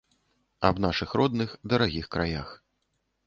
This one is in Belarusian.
Аб нашых родных, дарагіх краях.